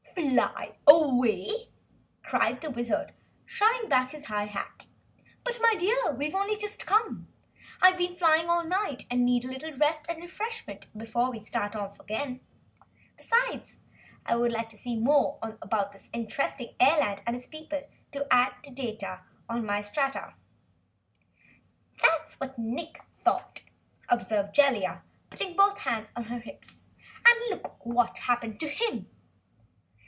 "Fly away?" cried the Wizard, shoving back his high hat. "But, my dear we've only just come! I've been flying all night and need a little rest and refreshment before we start off again. Besides, I would like to see more of this interesting airland and its people, and add to my data on the Strata." "That's what Nick thought," observed Jellia, putting both hands on her hips. "And look what happened to him!"